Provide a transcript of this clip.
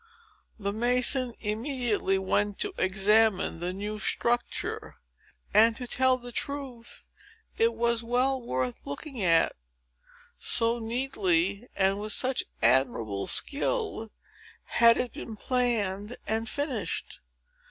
The masons immediately went to examine the new structure. And to say the truth, it was well worth looking at, so neatly, and with such admirable skill, had it been planned and finished.